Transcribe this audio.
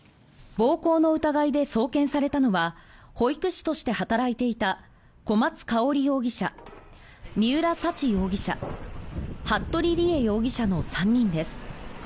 暴行の疑いで送検されたのは保育士として働いていた小松香織容疑者、三浦沙知容疑者服部理江容疑者の３人です。